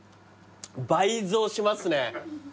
倍増しますね。